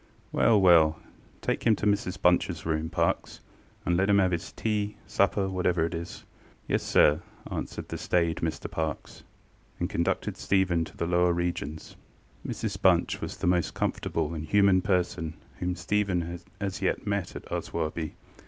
ŌĆØ ŌĆ£Well, well! Take him to Mrs BunchŌĆÖs room, Parkes, and let him have his teaŌĆösupperŌĆöwhatever it is. ŌĆØ ŌĆ£Yes, sir, ŌĆØ answered the staid Mr Parkes; and conducted Stephen to the lower regions. Mrs Bunch was the most comfortable and human person whom Stephen had as yet met in Aswarby.